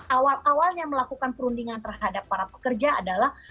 awal awalnya melakukan perundingan terhadap para pekerja adalah